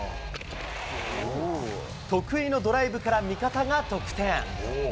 得意のドライブから味方が得点。